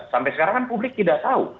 sampai sekarang kan publik tidak tahu